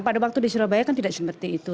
pada waktu di surabaya kan tidak seperti itu